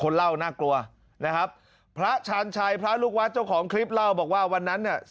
เล่าน่ากลัวนะครับพระชาญชัยพระลูกวัดเจ้าของคลิปเล่าบอกว่าวันนั้นเนี่ย